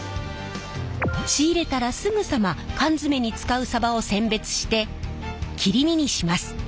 仕入れたらすぐさま缶詰に使うさばを選別して切り身にします。